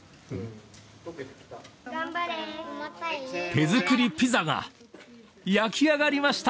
手作りピザが焼き上がりました！